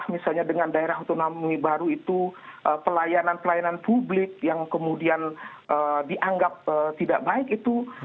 misalnya dengan daerah otonomi baru itu pelayanan pelayanan publik yang kemudian dianggap tidak baik itu